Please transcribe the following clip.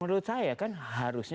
menurut saya kan harusnya